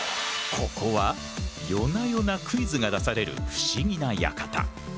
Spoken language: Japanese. ここは夜な夜なクイズが出される不思議な館。